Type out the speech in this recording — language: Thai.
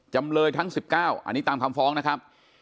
จำเลยทั้ง๑๙อันนี้ตามคำฟ้องนะครับ